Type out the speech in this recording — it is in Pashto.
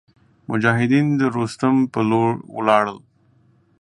مجاهدین د روستام په لور ولاړل.